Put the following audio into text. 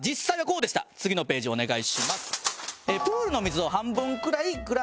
次のページお願いします。